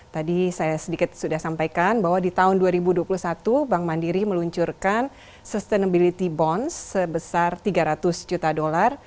tadi saya sedikit sudah sampaikan bahwa di tahun dua ribu dua puluh satu bank mandiri meluncurkan sustainability bonds sebesar tiga ratus juta dolar